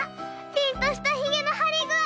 ピンとしたヒゲのはりぐあい！